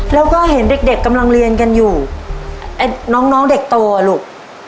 แล้วก็เห็นเด็กเด็กกำลังเรียนกันอยู่ไอ้น้องน้องเด็กโตอ่ะลูก